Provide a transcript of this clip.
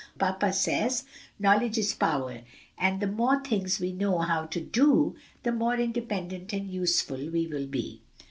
Papa says, 'knowledge is power,' and the more things we know how to do, the more independent and useful we will be."